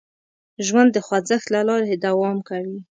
ژوند د خوځښت له لارې دوام کوي.